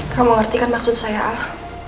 kamu ngerti kan maksud saya al